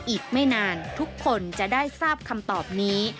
อีกไม่นานทุกคนจะได้ทราบคำตอบนี้